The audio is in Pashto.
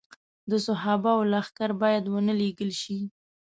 د صحابو لښکر باید ونه لېږل شي.